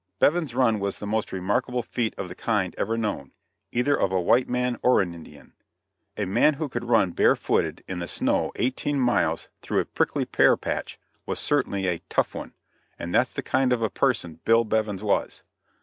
Bevin's run was the most remarkable feat of the kind ever known, either of a white man, or an Indian. A man who could run bare footed in the snow eighteen miles through a prickly pear patch, was certainly a "tough one," and that's the kind of a person Bill Bevins was.